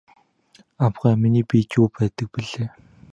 Авгай миний биед юу байдаг билээ?